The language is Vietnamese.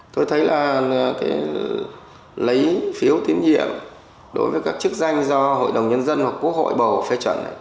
tôi thấy là lấy phiếu tín nhiệm đối với các chức danh do hội đồng nhân dân hoặc quốc hội bầu phê chuẩn